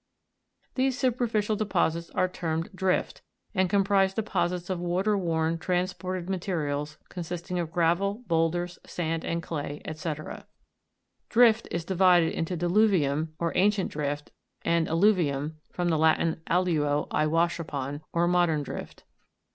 These superficial deposits are termed DRIFT, and comprise deposits of water worn, transported materials, consisting of gravel, boulders, sand, clay, &c. 33. Drift is divided into DILU'VIUM, or ancient drift, and ALLU' VIUM (from the Latin, alluo, I wash upon), or modern drift.